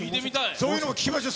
そういうのを聞いてみましょう。